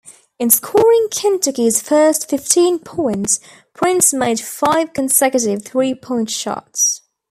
In scoring Kentucky's first fifteen points, Prince made five consecutive three-point shots.